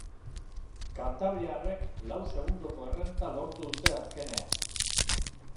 Kantabriarrek lau segundoko errenta lortu dute azkenean.